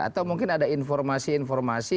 atau mungkin ada informasi informasi